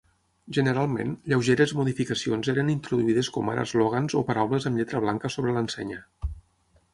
Generalment, lleugeres modificacions eres introduïdes com ara eslògans o paraules amb lletra blanca sobre l'ensenya.